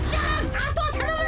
あとはたのむ！